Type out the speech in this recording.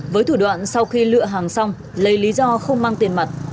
với thủ đoạn sau khi lựa hàng xong lấy lý do không mang tiền mặt